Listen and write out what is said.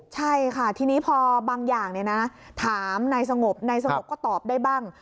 ใช่ค่ะทีนี้พอบางอย่างถามนายสงบนายสงบก็ตอบได้บ้าง